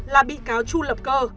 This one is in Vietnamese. là bị cáo chu lập cơ